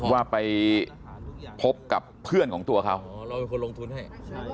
ว่าไปพบกับเพื่อนของตัวเขาเราเป็นคนลงทุนให้